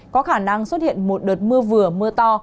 có khả năng xuất hiện một đợt mưa vừa mưa to